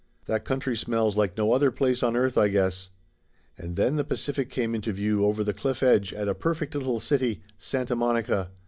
That country smells like no other place on earth, I guess. And then the Pacific come into view over the cliff edge at a perfect little city Santa Monica.